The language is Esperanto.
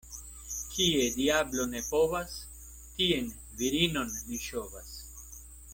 Kie diablo ne povas, tien virinon li ŝovas.